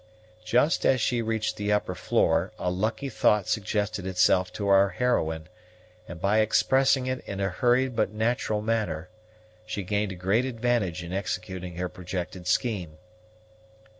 Just as she reached the upper floor, a lucky thought suggested itself to our heroine; and, by expressing it in a hurried but natural manner, she gained a great advantage in executing her projected scheme.